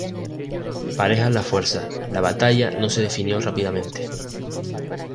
Parejas las fuerzas, la batalla no se definió rápidamente.